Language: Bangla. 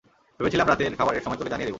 ভেবেছিলাম রাতের খাবারের সময় তোকে জানিয়ে দেব।